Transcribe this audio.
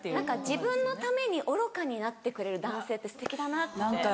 自分のために愚かになってくれる男性ってすてきだなって。